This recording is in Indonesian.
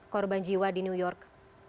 korban jiwa di new york